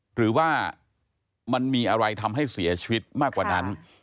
หรือว่ามันมีอะไรทำให้เสียชีวิตมากกว่านั้น